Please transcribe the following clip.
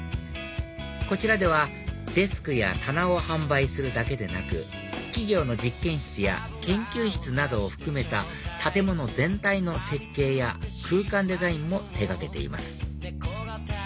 こちらではデスクや棚を販売するだけでなく企業の実験室や研究室などを含めた建物全体の設計や空間デザインも手掛けています